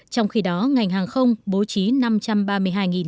trong khi đó ngành hàng không bố trí